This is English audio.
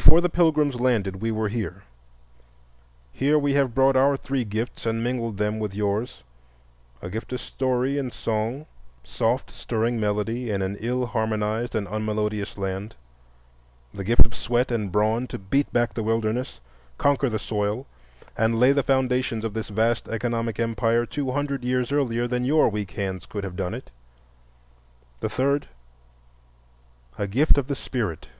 Before the Pilgrims landed we were here. Here we have brought our three gifts and mingled them with yours: a gift of story and song—soft, stirring melody in an ill harmonized and unmelodious land; the gift of sweat and brawn to beat back the wilderness, conquer the soil, and lay the foundations of this vast economic empire two hundred years earlier than your weak hands could have done it; the third, a gift of the Spirit.